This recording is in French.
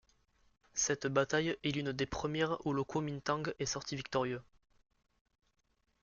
Cette bataille est l'une des premières où le Kuomintang est sorti victorieux.